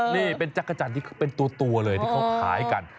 นี่เป็นจักรจันทร์ที่เป็นตัวเลยที่เขาขายกัน